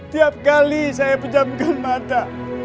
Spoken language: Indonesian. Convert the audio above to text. tiap kali saya pejamkan mata